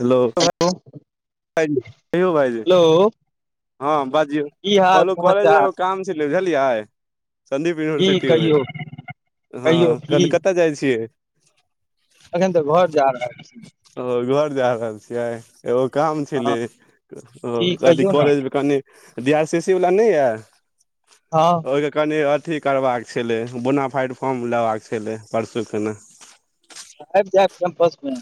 Halos कहिौ भाइजी hello हँ बाजियौ की हाल कहलू कॉलेज में समाचार एगो काम छलै बुझलियै। सन्दीप की यूनिवर्सिटी में कहियौ हाँ कहियौ की कल कताऽ जाइ छियै। एखन तऽ घर जा रहल छियै। ओ घर जा रहल छियै। एगो काम हँ छलै ओ की अथी कहियौ ने कॉलेज में कनि डी आर सी सी वला ने या। हाँ। ओहिके कनि अथी करबाक छलै बुनाफाइड फॉर्म लेबाक छलै परसू खूना। आएब जाएब कैम्पस में।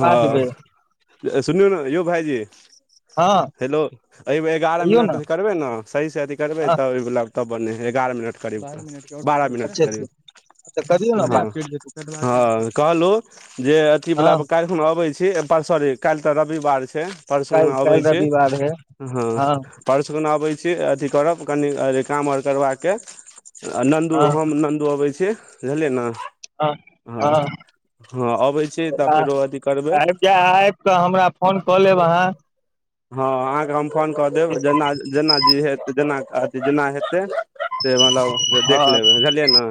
हाँ सुनियौं न यौं भइजी हँ हेलो ऐ में एगारह कहियौ मिनट ने कट करबै न सही से अथी करबै हँ तब ओला तब बने हइ एगारह मिनट करीब बारह मिनट। बारह मिनट अच्छे छै करबै तऽ करियौ [unintelligible] ने बात हं कहलु जे अथी हँ वला काल्ह खुन अबै छी एम्पल सॉरी काल तऽ रविवार छै परसु काल्हि अबै काल्हि छी रविवार है हाँ हँ परसु खुना अबै छी अथि करब कनि अ काम आओर करबाक यै आ नन्दू हँ हम नन्दु अबै छी बुझलियै न हँ हं हं अबै छी तब आ आएब जा आएब कऽ हमरा फोन कऽ लेब अहाँ हं अहाँ के हम फोन कऽ देब जेना जेना जे हेत जेना कहथे जेना हेतै से मतलब जे देख हँ लेबै बुझलियै न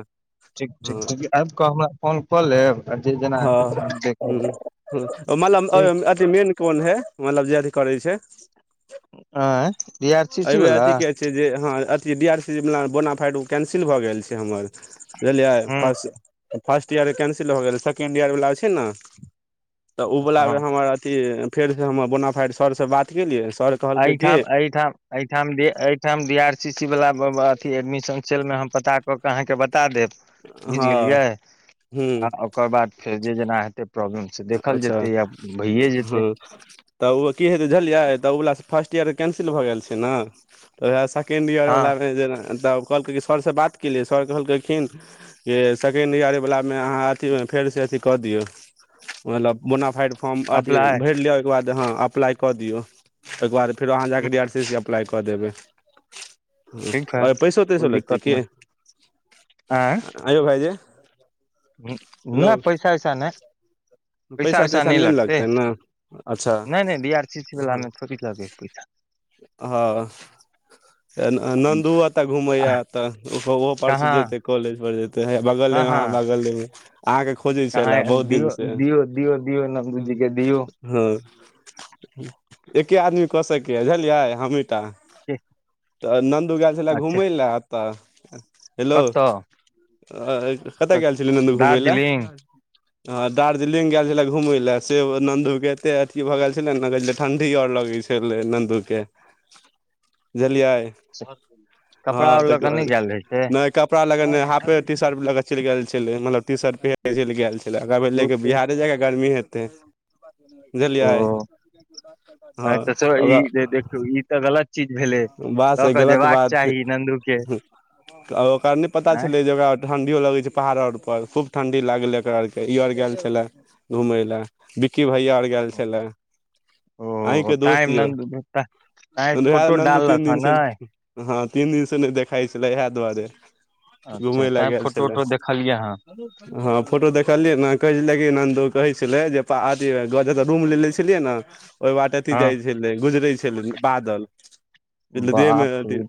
ठीक ठीक ठीक आएब कऽ हमरा फोन कऽ लेब आ जे जेनां हेतै से हम देख लेब हूँ मतम अ ठीक अथि मेन कोन हैय मतलब जे अथी करै छै एं ए आर सी सी वला से जे हाँ अथी डी आर सी वाला बोना फाइट ओ कैंसिल भऽ गेल छै हमर बुझलिये हूँ फस फर्स्ट ईयर कैंसिल भऽ गेलै सेकेण्ड ईयर वला छै न तऽ उ वला हँ मे हमर अथी फेर जे हमर बोना फाइट सर से बात केलियै सर कहलकै कि अहिठाम अहिठाम अहिठाम ए एहिठाम डी आर सी सी वला ब ब अथी एडमिशन चेलने हम पता कऽ के अहाँके बता देब बुइझ हँ गेलियै हूँ आ ओकर बाद फेर जे जेना हेतै प्रॉब्लम से देखल अच्छा जेतै या भइये जेतै [inaudible] तऽ उहो की हेतै बुझलियै तऽ ओवला फर्स्ट ईयर के कैंसिल भऽ गेल छै ने तऽ उएह सेकेंड हँ ईयरवला मे जेना तब कहलकै सर से बात केलियै सर कहलकेखिन कि सेकेण्ड ईयर वला मे अहाँ अथीमे फेर से अथी कऽ दियौ मतलब बोनाफाइड फॉर्म अथी अप्लाइ भैर लिया ओएके बाद अहाँ अप्लाइ कऽ दियौ ओएके बाद फेर अहाँ जा कऽ डी आर सी सी के अप्लाइ कऽ देबै ठीक है पैसो तैसो कोइ लेतै दिक्कत की नहि आय यौ भाइजी नय पैसा वैसा नय पैसा वैसा तैसा नय नहि ने लगतै ने अच्छा नय नय बी आर सी सी वाला मे थोड़ी लगै है पैसा हं नन्दु ओ तऽ घुमै हात तऽ ओहो परसू कहाँ जेतै कॉलेज पर जेतै हेए बगले ‌मे कहाँ अहाँ बगले मे आहाँ के खोजै कहाँ छला बहुत दिन दियौ से दियौ दियौ दियौ नन्दू जी के दियौ हूं एके आदमी कऽ सकैया बुझलियै हमीटा हे तऽ नन्दू गेऽल छलेऽ घुमय लेऽ अतऽ हेलो कतऽ अऽ कत गेऽल छलै नन्दु घुमै लए दार्जिलिंग हाँ दार् जलिंग गेल छलै घूमे लऽ से नन्दू के एते अथी भ गेऽल छलै न ठंडी आओर लगै छै गेल रहै नन्दू के बुझलियै कपड़ा हं आर लऽ तऽ कऽ नहि गेल रहै छै नय कपड़ा लऽ के नय हाफे टी शर्ट ला के चैल गेल छलै मतलब टी शर्ट पहिर के चेल गैल छलै अ बिहारे जेकाऽ गर्मी हेतई बुझलियै ओ हँ से तऽ ई देखियौ ई तऽ गलत चीज भेलै लक जेयबाक चाही नन्दू के त आब ओकरा नय पता आँय छलै जे ठंडियो लगे छै पहाड़ अर पर खूब ठंडी लागले एकरा आर केँ ई आर गेल छलै घूमय ले बिक्की भैया आर गेल छलै अही ओ केँ ताँय दोस्त यौ नन्दू [unintelligible] ताँय फोटो दु तीन डाललक हँ दिन से नहि हँ तीन दिन से नै देखाइ छलै इहे दुआरे अच्छा घुमय लै ताँय गैल फोटो छेलै उटो देखलियै हँ [inaudible] हँ फोटो देखलियै ने कहै छलै कि नन्दु कहै छलै जे ज अथि रूम ले ले छलियै ने ओय बाटे अथी जाय हँ छैले गुजरे छैले बादल देह में बाप अथी रे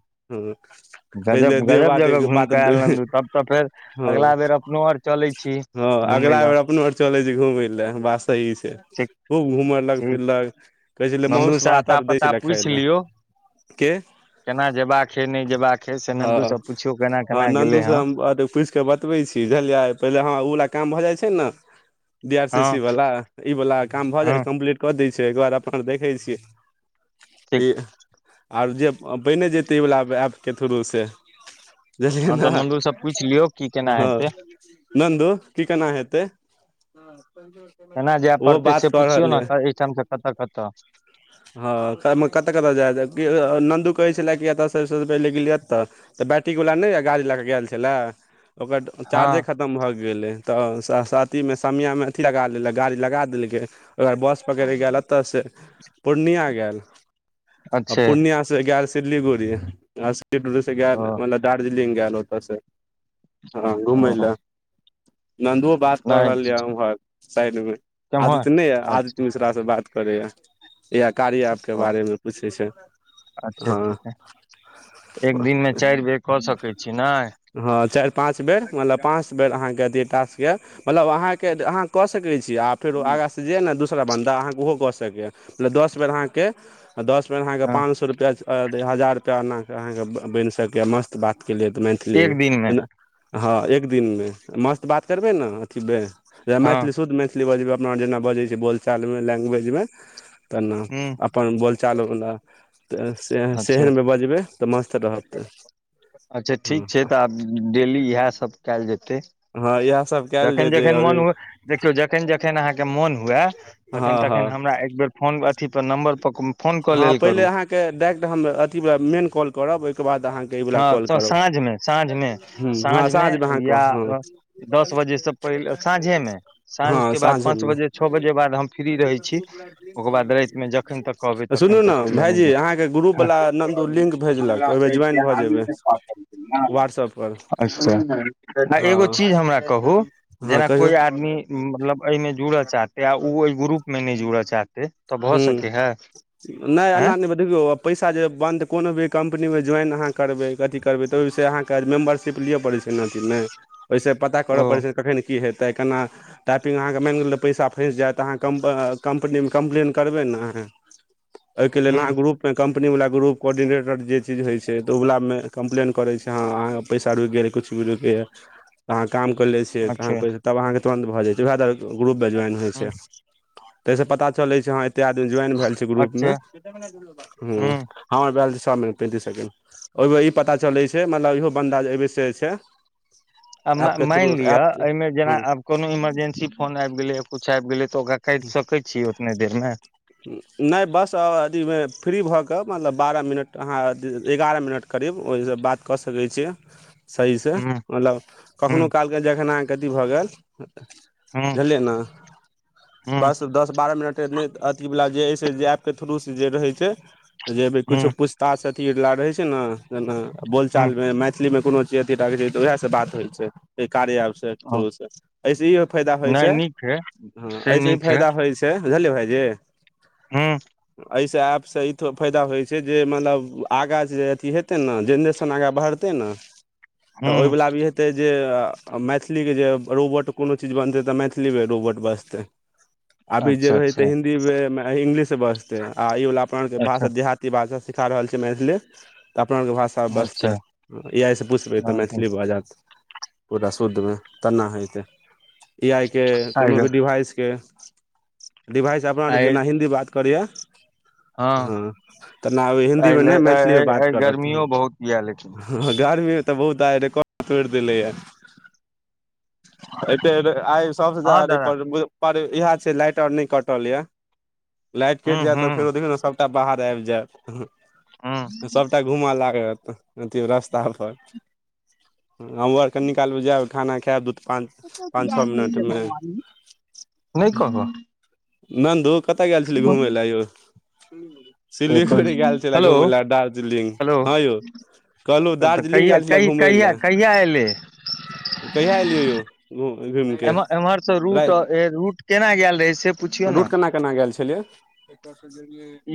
[inaudible] गजब देह गजब बाटे जगह घूम कऽ बादल आयल नन्दु तब तऽ फेर हँ अगला बेर अपनो अर चलै छी हँ घुमय अगला लए बेर अपनो और चलै छी घुमय लए बात सही छै ठीक खूब घुमलक ठीक फिरलक कहै छलै नन्दू माउस से भात अता आर दै पता छलै खाय पूछि लए लियौ के केना जेयबा कऽ हे नै जेयबाक हे से नन्दू से पुछियो केना केना गेलै है ओ तऽ पुछि कऽ बतबै छी बझलियै पहिले हमर उऽ वला काम भऽ जाइ छै न डी आर सी हँ सी वाला ई वाला काम भऽ जाइ हँ छै कम्प्लीट कऽ दै छै ओय कऽ बाद अपन देखै छियै ई ठीक [inaudible] आर जे बने जैते इ वला ऐप केँ थ्रू से बुझलियै हँ न तऽ नन्दूसँ पूछि लियौ की केना [inaudible] ह हेतै नन्दु की कना हेते [inaudible] केना जाय पड़तै से पुछियौ न एहिठामसँ कत कत हँ कतऽ कतऽ जाय नन्दू कहै छेला कि एतऽ सबसँ पहिले गेलियत एतऽ तऽ बैट्ररीक वला नै य गाड़ी लए कऽ गेल छलए ओकर चार्जे हँ ख तम भऽ गेलै तऽ सा साती में समियामे अथि लगा दयलै गाड़ी लगा देलकै ओई केँ बाद बस पकड़े कऽ गैल ओत से पूर्णिया गैल [inaudible] आ अच्छे पूर्णिया से गैल सिल्लीगुड़ी आ सिल्लीगुड़ी गैल ओ मतलब दार्जलिंग गैल ओत से [inaudible] हँ घुमै ओ लऽ नन्दुओ बात कर रहल नहि य उम्हर साइड में केम्हर आदित्य नै य आदित्य अच्छा मिश्रा से बात करे यऽ यैह कार्य एप केँ ओ बारे मे पूछे छै [inaudible] अच्छे हँ अच्छे एक दिन मे चारि बेर कऽ सकै छी नै [unintelligible] हँ चाइर पाँच बेर मतलब पँ बेल अहाँकेँ जे ट्रास्क यऽ मतलब अहाँकेँ अहाँ कऽ सकै छी आ फेर आगाँ स जे है नै दूसरा बन्दा अहाँकेँ ओहो कऽ सकैए मतलब दस बेर अहाँ केँ दस बेर अहाँ केँ हँ पाँच सै रुपया हजार रुपैआ एनाक अहाँकेँ बैन सकैए मस्त बात केँ लिए तऽ मैथिली एक दिन मे में हँ एक दिन मे मस्त बात करबै न अथि बे हँ मैथिली शुद्ध मैथिली मैथिली बजब अपना जेना बजे छै बोलचाल में लैंग्वेज में तना हूँ अपन बोलचाल वला तऽ से अच्छे सेहनमे बजबै तऽ मस्त रहत [inaudible] अच्छा ठीक छै तऽ आब डेली इएह सब कायल जेतै हँ इएह सब कयल जखन जेतै जखन मोन अभी हुए देखियौ जखन जखन अहाँ कऽ मोन हुए तखन हँ तखन हँ हमरा एक बेेर फोन अथी पर नम्बर पर फोन कऽ लेल करू केँ डायरेक्ट हम अथि वला मेन काॅल करब ओय केँ बाद आहाँ हँ साँझमे साँझमे ह हँ साँझमे अहाँके या हँ दस बजे से पहिले साँझेमे साँझ हँ केँ बाद पाँच साँझेमे बजे छ बजे बाद हम फ्री रहै छी ओकर बाद राइत मे ज जखन तक कहबै तखन सुनू ने तक ओएला नय भायजी दिक्कत अहाँके ग्रुपवला नन्दू लिंक भेजलक ओहिमे [inaudible] ज्वाइन भऽ जेबै [inaudible] व्हाट्सअप पर अच्छा [inaudible] आ एगो हँ चीज हमरा कहू हँ जेना कहियौ कोई आदमी मतलब एहिमे जुड़ऽ चाहतै आ उ ओ ओय ग्रुप मे नैह जुड़ऽ चाहतै हैय तब भसकै हेएऽ अैंय देखियो पैसा जे बन्द कोनो भी कम्पनी मे ज्वाइन आहाँ करबै कथी करबै तऽ ओय से आहाँ कैल मेंबरसिप लिय परैछैय न अथी मे पता करय ओ प छै कखन की हेत तऽ केना टाइपिंग अहाँके मैन गेल तऽ पैसा फैस जेऽत अहाँ कम्प- कम्पनी मे कम्प्लेन करबै न आहाँ एैय के लेल ह आहाँ ग्रूप कम्पनीवला ग्रुप कोर्डिनेटर जे चीज होइ छै तऽ ओला मे कम्प्लेन करै छैय आहाँ पैसा रुइक गेल एै कुछ भी रुक गेलअहाँ काम करले छी अच्छा [unintelligible] तब अहाँके तुरन्त भऽ जाइ छैय उएह द्वारे ग्रुप ज्वाइन होइ ह छैय तैय स पता चलै छैय ह एते आदमी ज्वाइन भेल छैय ग्रुप मे अच्छा हुँ ह हँ भए छैय छह मिनट पैंतीस सेकेण्ड ओहिमे ई पता चलै छै मतलब इहो बन्दा अएहिबे से छैय आ मै-मैनलिअ एहिमे जेना हूँ आब कोनो इमरजेंसी फोन अैब गेलै या कुछ अैब गेलै तऽ ओकरा कैट सकै छियै ओतने देर में नैह बस अथी फ्री भऽ कऽ मतलब बारह मिनट अहाँ य एगारह मिनट करीब ओहिस बात कऽ सकैय छी सही से हूँ मतलब हूँ कखनोउ कालके जखन अहाँके अथी भऽ गेल हूँ बुझलियै न हूँ बस दस बारह मिनट ऐने इवला जे ऐसे जे एप के थ्रू से जे रहैय छैय जेभी कुछो हूँ पुछ तास अथी लय रहे छै ने जेना हूँ बोलचाल मे मैथ असली मे कोनो चीज अतेटा तऽ उएह स बात होइ छैय एहि कार्य एप स ओ थ्रू स ऐस इहो फायदा होइय नहि छैय नीक है हँ से ऐसे इ नीक है फायदा होइ छैय तैय बुझलियै भायइ जी हूँ एैय स एप स ई त फायदा होइय छै जे मतलब आगा जे अथी हेतै ने जेनरेशन आगा बढ़तै ने तऽ ओयह हूँ वला अभी हेत तै जे मैथिलीके जे रोबोट कोनो चीज बनतै तऽ मैथिली मे रोबोट बजतै अभी जे अच्छा भैज तैयऽ अच्छा हिन्दी मे इंग्लिश में बजतै आ इ वला अपना ओर के अच्छा भाषा देहात की भाषा सिखा रहल छैय मैथिली त अपना और के भाषा तब अच्छा बचतै ए आइ स पुछबै तऽ मैथिली बाजत पूरा शुद्धमे तना हेैयतै ए आइ के आइ कोनो ग- भी डिवाइस के डिभाइस अपना आर आइ जेना हिन्दी बात करै या हँ तेना अब आइ हिन्दी मे ले- नैय आइ मैथिली मे आइ बात आइ करत ह गर्मियो बहुत यऽ लेकिन [unintelligible] गर्मी तऽ बहुत आय रेकॉर्ड तोयड़ देले या एैयबेर आइ सबसे हँ दादा ज्यादा [unintelligible] छै लाइट आर नैय कटल य लाइट कैट हूँ जेऽत हूँ तऽ फेरो देखियौ न सबटा बाहर अैब हूँ जेऽत सब तऽ घूमऽ लागत अथि रस्ता पर हम हू आब कनिकाल मे जाएब खाना खेऽब दू पान [inaudible] नैय कहल नन्दू कतऽ गेल छेलियै घुमय लए यौ सिलीगुरी गेल छलए हेलो घुमय लए आ दार्जिलिंग हेलो हं यौ कहलौ तऽ दार्जलिंग कहिया गेल छेलए कहि- घुमैय कहिया कहिया एलै लए कहिया एलियै यौ घूमके एम एम्हरसँ रूट रैत रूट केना गैल रहै से पु रूट केना केना गैल छलियै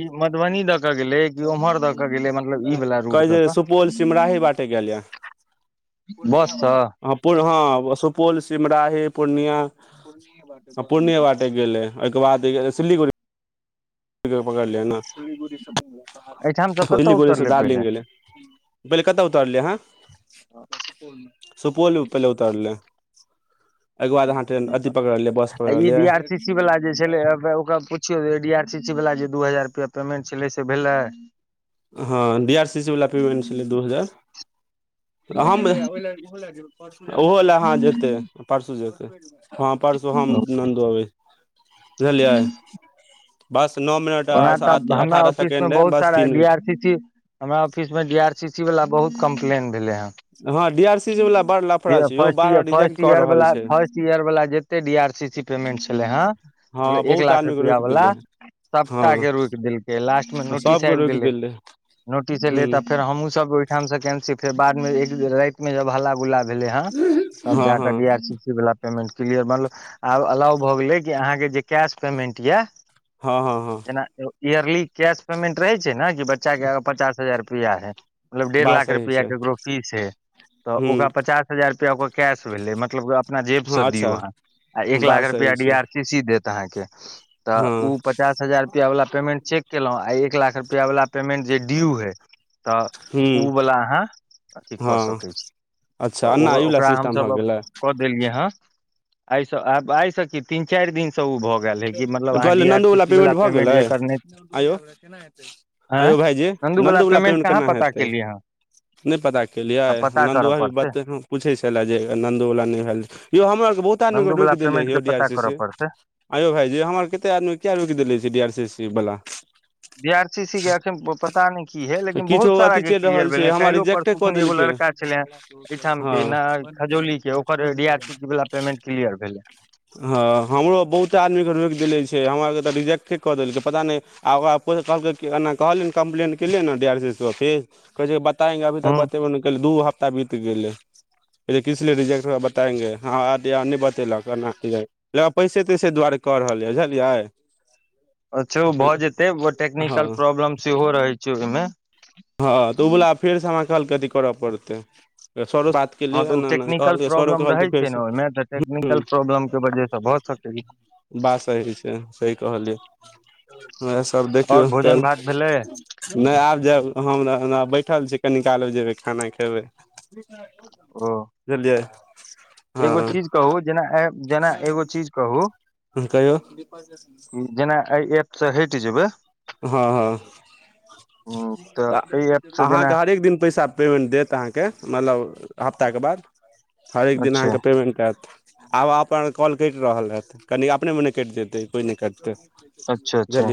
ई मधुबनी दऽ के गेलै कि उम्हर दऽ के गेलै मतलब ई वाला रूट कहै दऽ छै के सुपौल सिमराही बट तै गैल या बस स हँ ह सुपौल सिमराही पूर्णिया [unintelligible] पूर्णिये बाटे गेलै ओय केँ बाद सिल्लीगुड़ी [inaudible] केँ पकड़लियै ने एहिठाम से कतऽ [unintelligible] उतरले दार्जलिंग पहिले गेलै पहिले कतऽ उतरलेै है सुपौल म पहिले उतरलै यै केँ बाद अहाँ ट्रेन अथी पकड़लियै बस आ ई डी पकड़लियै आर सी सी वाला जे छलै है ओकरा पुछियौ डी आर सी सी वाला जे दू हजार रुपआ पेमेंट छलै से भेलै ह डी आर सी सी वाला पेमेंट छलै दू हजार [unintelligible] ओहो लए अहाँ जेतै परसू जेतै हाँ परसू हम नन्दो अबै बुझलिय [inaudible] बस नो मिनट ओना आ तऽ हमरा अठारह ऑफिस मे सेकेंड अए बहुत बस सारा तीन D minute R C C हमरा ऑफिस में डी आर सी सी वाला बहुत कम्प्लेन भेले हन [inaudible] हँ डी आर सी सी वला बड़ लफड़ा छै यौ फर्स्ट बार बार रिजेक्ट फर्स्ट कऽ इयर रहल वाला छै फर्स्ट इयर वाला जेत एते D R C C payment छलै हन हँ मतबल एक बहुत लाख आदमी के रुपया रोकि वाला देले हँ सबटा केँ रोक देलकै लास्ट में नोटिस सबके आइब रोकि गेलै देले नोटिस हूँ एलेै तऽ फेर हमहूँ सब काम से केन्सी फेर बाद मे एक राइत मे जब हल्ला गुल्ला भेले हन तब हँ जाके हँ डीर सी वला पेमेंट क्लियर मतलब आब अलाव भऽ गेलै कि अहाँकेँ जे कैश पेमेंट यऽ हँ हँ हँ इयरली कैश पेमेंट रहे छै न कि बच्चा केँ पचास हजार रुपया है मतलब डेढ़ बात लाख सही रुपैया छै केकरो फीस है तऽ ओकर हूँ पचास हजार रुपैया ओकर कैश भेलै मतलब कि अपना जेब से हँ अच्छा दियौ अहाँ आ एक लाख बात रुपया सही डी छै आर सी सी देत अहाँ केँ तऽ हँ ओ पचास हजार रुपैया वला पेमेंट चेक केलौं आ एक लाख रुपैया वला पेमेन्ट जे ड्यू हइ तऽ ओ हूँ वला अहाँ अथी कऽ हँ सकै छी तऽ अच्छा ओ एना अइवला ओकरा हम सिस्टम भऽ सब गेलै कऽ देलियै हन आइसँ आब आइसँ कि तीन चाइर दिन कहलियै नन्दूवला वला पेमेंट भऽ गेलै जे करने आयौ [inaudible] आँय आयौ भाईजी नन्दू नंदु वला पेमेंट पमेंट कहाँ केना पता हेतै केलियै हँ नै पता केलियै आ पता करऽ नन्दुआ पड़तै बात अखनो पूछै छला जे नंदूवला नै ऐल यौ हमर बहुत आदमी नन्दू केँ वला रोइक देने पेमेंट हे के य डी पता आर सी करऽ सी पड़तै आयौ भाईजी हमर कते आदमी किया रोक देने छियै डी आर सी सी वाला। डी आर सी सी के अखन पता नै की हे लेकिन किछो बहुत सारा अथी के चलि क्लियर रहल भेले छै ह हमरा काइलों रिजेक्टे परसो कऽ खिन एगो देलकै लड़का। छले एहिठाम हँ केँ न खजौली केँ ओकर डी आर सी वाला पेमेंट क्लियर भेले। ह हमरो आ बहुत। आदमी केँ रोइक देने छै हमरा आर केँ तऽ रिजेक्टे कऽ देलकै पता नै आ ओकरा कहलेक। एना कहलियन कम्पलेन कलिये न D R C C office कहै छै बताएंगे अभी तक हूँ बतेबो ने कै दू हफ्ता बीत गेलै। किसलिए रिजेक्ट हुआ बताएंगे हाँ न बतेलक पैसे तै। तै दुआरे कऽ रहल यै बुझलियै। अच्छा ओ भऽ जेतै ओ हँ टेक्निकल प्रॉब्लम सेहो रहैत छै ओहिमें। हँ तऽ ओ वला फेर से हमरा कहलकै कर पड़ते स केलियै हँ तऽ ओ अना अना टेक्निकल कहलियै सरो प्रॉब्लम कहलियै रहै फेर छै ने से ओहिमे तऽ हूं। टेक्निकल प्रॉब्लम के वजह से भऽ सकै बात सही छै सही कहलियै उएह सब आओर देखियौ भोजन भात भेलै काल्हि। नै आब जाएब हम बैठल छी कनी काल मे जेबै खाना खेबै। ओ बुझलियाय एगो चीज कहूं जेना अइ जेना एगो चीज कहूं। कहियौ जेना एहि ऐप सँ हटि जेबै। हाँ हाँ तऽ त एहि एप से जेना अहाँके हरेक दिन पैसा। पेमेन्ट देत अहाँके मतलब हफ्ताके बाद हरेक दिन अच्छा अहाँके पेमेन्ट पाएत आब अपन कॉल कैट रहल हें त कनि अपने मोने कैट जेतै, कोइ नै कटतै। अच्छा-अच्छा।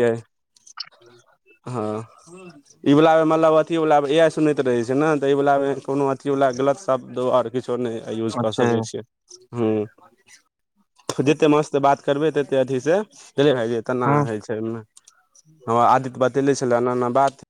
हां। ई वला मे मलब अथी मे वला ए आई सुनैत रहै छै न त अई वला मे कोनो अथी वला गलत स तब दो आर किछो नैय यूज क अच्छा सकै छीयै, हुं जेतै मास ते बाद करबैत हेते अथी सेे तै भायजी तै ना हय छै ओय मे हँ आदित्य बतेेले छला एना-एना बात